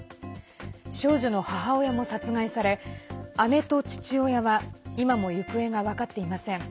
少女の母親も殺害され姉と父親は今も行方が分かっていません。